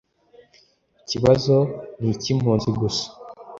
ikibazo n'icy'impunzi gusa